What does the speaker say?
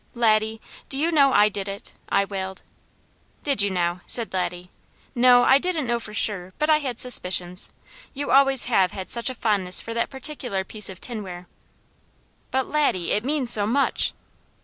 "Laddie, do you know I did it?" I wailed. "Did you now?" said Laddie. "No, I didn't know for sure, but I had suspicions. You always have had such a fondness for that particular piece of tinware." "But Laddie, it means so much!"